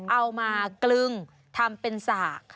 มากลึงทำเป็นสาก